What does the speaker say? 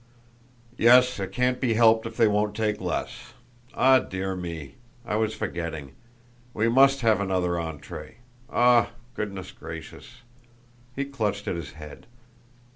"Yes, it can't be helped if they won't take less. Ah, dear me! I was forgetting. We must have another entrée. Ah, goodness gracious!" he clutched at his head.